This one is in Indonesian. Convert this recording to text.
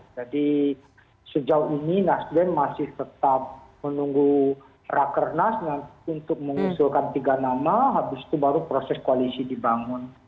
jadi sejauh ini nasdem masih tetap menunggu raker nas untuk mengusulkan tiga nama habis itu baru proses koalisi dibangun